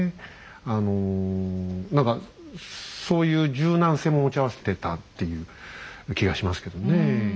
あの何かそういう柔軟性も持ち合わせてたっていう気がしますけどね。